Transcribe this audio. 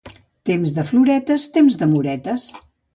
Temps de floretes, temps d'amoretes.